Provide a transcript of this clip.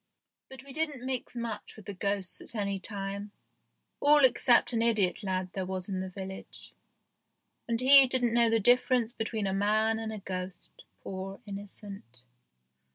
But we didn't mix much with the ghosts at any time, all except an idiot lad there was in the village, and he didn't know the difference between a man and a ghost, poor innocent